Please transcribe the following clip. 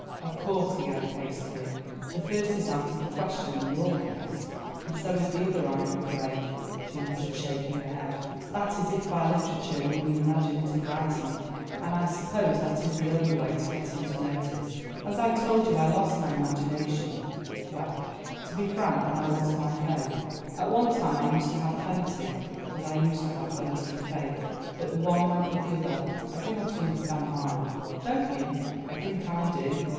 Of course," he added hastily, "the first is out of the question in your case." "And so is the other, I am afraid," she answered shaking her head, "that is if by literature you mean imaginative writing, and I suppose that is the only way to get into notice. As I told you I lost my imagination—well, to be frank, when I lost my faith. At one time I used to have plenty, as I used to have plenty of faith, but the one went with the other, I do not understand why." "Don't you? I think I do.